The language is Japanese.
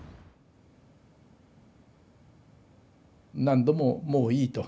何度も「もういい」と。